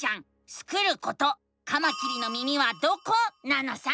スクること「カマキリの耳はどこ？」なのさ！